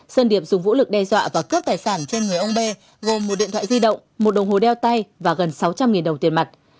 sơn điệp dùng vũ lực đe dọa và cướp tài sản trên người ông b gồm một điện thoại di động một đồng hồ đeo tay và gần sáu trăm linh đồng tiền mặt